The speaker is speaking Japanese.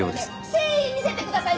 誠意見せてください！